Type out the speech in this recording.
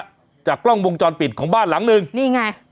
จากกล้องวงจรปิดของบ้านหลังนึงนี่ไง